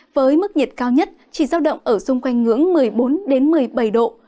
với mức nhiệt cao nhất chỉ giao động ở xung quanh ngưỡng một mươi bốn một mươi bảy độ